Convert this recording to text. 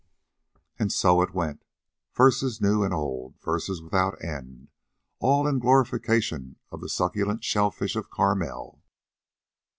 And so it went, verses new and old, verses without end, all in glorification of the succulent shellfish of Carmel.